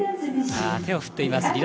手を振っています。